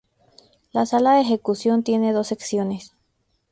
La sala de ejecución tiene dos secciones.